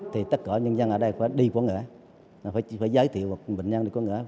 thì tất cả người dân ở đây phải đi quảng ngãi phải giới thiệu bệnh nhân đi quảng ngãi